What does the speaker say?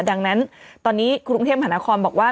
ดังนั้นตอนนี้กรุงเทพมหานครบอกว่า